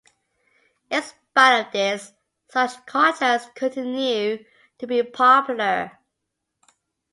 In spite of this, such contracts continue to be popular.